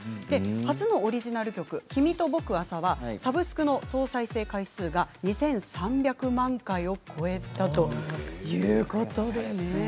初のオリジナル曲「君と僕はさ」はサブスク総再生回数が２３００万回を超えたということで。